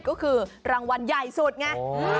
ก็คือรางวัลใหญ่สุดไง